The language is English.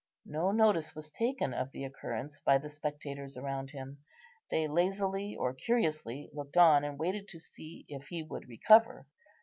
No notice was taken of the occurrence by the spectators around him. They lazily or curiously looked on, and waited to see if he would recover.